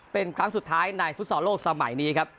เป็นครั้งสุดท้ายในฟุตซอลโลกสมัยนี้ครับ